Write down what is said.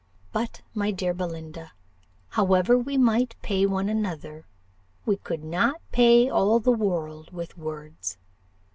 "But, my dear Belinda, however we might pay one another, we could not pay all the world with words.